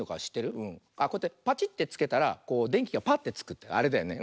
こうやってパチッてつけたらでんきがパッてつくあれだよね。